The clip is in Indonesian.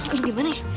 lalu gimana ya